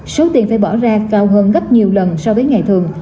số tiền phải bỏ ra cao hơn gấp nhiều lần so với ngày thường